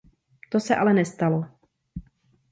To se ale nestalo.